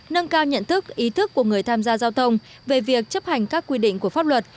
nâng cao nhận thức ý thức của người tham gia giao thông về việc chấp hành các quy định của pháp luật